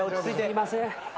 すいません。